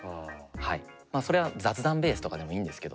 まあそれは雑談ベースとかでもいいんですけど。